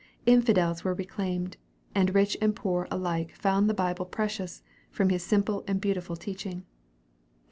Infidels were reclaimed, and rich and poor alike found the Bible precious, from his simple and beautiful teaching.